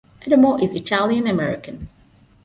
Adamo is Italian American.